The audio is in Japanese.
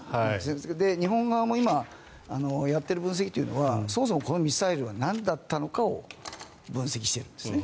日本側も今やっている分析というのはそもそも、このミサイルはなんだったのかを分析しているんですね。